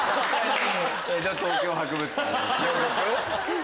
江戸東京博物館。